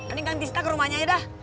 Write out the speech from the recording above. ini ganti stag rumahnya ya dah